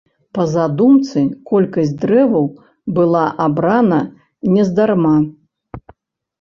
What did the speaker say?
Па задумцы, колькасць дрэваў была абрана нездарма.